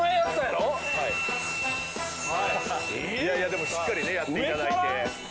でもしっかりねやって頂いて。